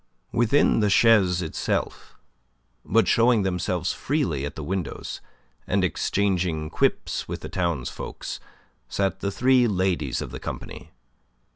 Within the chaise itself, but showing themselves freely at the windows, and exchanging quips with the townsfolk, sat the three ladies of the company.